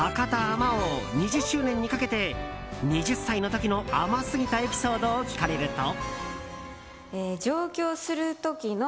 あまおう２０周年にかけて２０歳の時の甘すぎたエピソードを聞かれると。